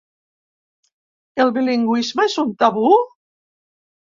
El bilingüisme és un tabú?